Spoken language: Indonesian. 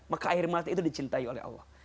maka air mata itu dicintai oleh allah